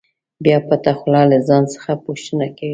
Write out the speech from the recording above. بیا پټه خوله له ځان څخه پوښتنه کوي.